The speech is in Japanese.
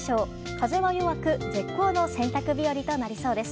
風は弱く絶好の洗濯日和となりそうです。